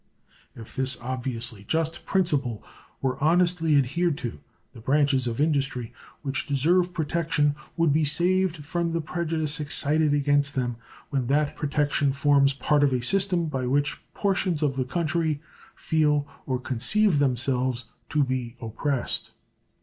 If this obviously just principle were honestly adhered to, the branches of industry which deserve protection would be saved from the prejudice excited against them when that protection forms part of a system by which portions of the country feel or conceive themselves to be oppressed.